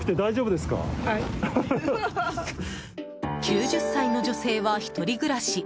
９０歳の女性は１人暮らし。